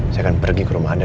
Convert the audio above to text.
saya akan pergi ke rumah anda